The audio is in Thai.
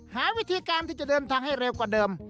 หาวิธีการที่จะเดินทางให้เร็วกว่าเดิม